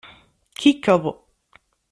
Kikeḍ.